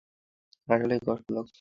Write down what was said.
আসলেই কষ্ট লাগছে!